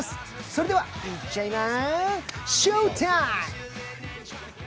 それでは行っちゃいま